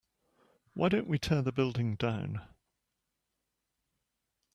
why don't we tear the building down?